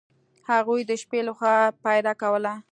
هغوی د شپې له خوا پیره کوله.